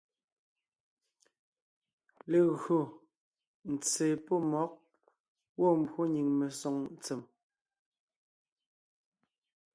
Legÿo ntse pɔ́ mmɔ̌g gwɔ̂ mbwó nyìŋ mesoŋ ntsèm,